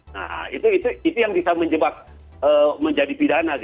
nah itu yang bisa menjebak menjadi pidana